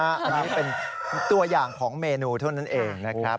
อันนี้เป็นตัวอย่างของเมนูเท่านั้นเองนะครับ